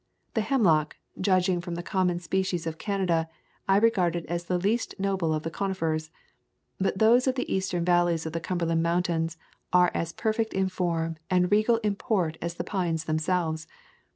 The hemlock, judging from the common species of Canada, I regarded as the least noble of the conifers. But those of the eastern valleys of the Cumberland Mountains are as perfect in form and regal in port as the pines themselves.